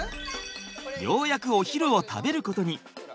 ようやくお昼を食べることに。